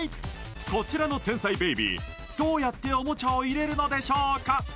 こちらの天才ベイビーどうやっておもちゃを入れるのでしょうか？